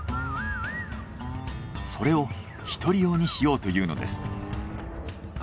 それを一人用にしようというのです。